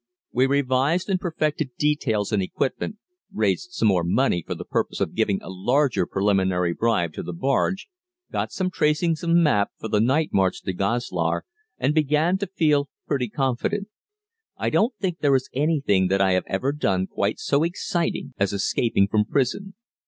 We revised and perfected details and equipment, raised some more money for the purpose of giving a larger preliminary bribe to the bargee, got some tracings of maps for the night march to Goslar, and began to feel pretty confident. I don't think there is anything that I have ever done quite so exciting as escaping from prison.